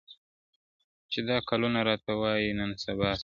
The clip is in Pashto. چي دا کلونه راته وايي نن سبا سمېږي،